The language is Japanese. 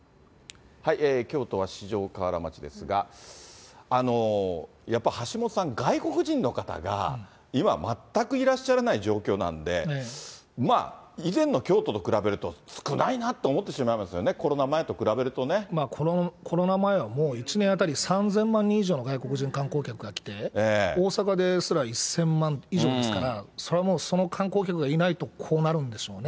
京都は四条河原町ですが、やっぱり橋下さん、外国人の方が今、全くいらっしゃらない状況なんで、まあ、以前の京都と比べると少ないなと思ってしまいますよね、コロナ前はもう、１年当たり、３０００万人ぐらいの外国人観光客が来て、大阪ですら１０００万以上ですから、そりゃもう、その観光客がいないとこうなるんでしょうね。